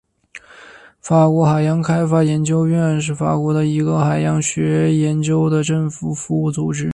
法国海洋开发研究院是法国的一个海洋学研究的政府服务组织。